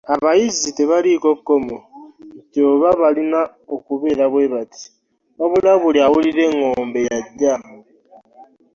Abayizzi tebaliiko kkomo nti oba balina kubeera bwe bati, wabula buli awulira eŋŋombe y’ajja.